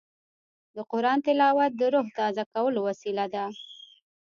د قرآن تلاوت د روح تازه کولو وسیله ده.